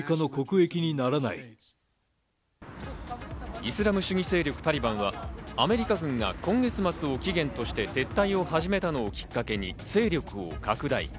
イスラム主義勢力・タリバンは、アメリカ軍が今月末を期限として撤退を始めたのをきっかけに勢力を拡大。